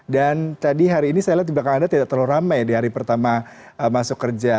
dan tadi hari ini saya lihat di belakang anda tidak terlalu ramai di hari pertama masuk kerja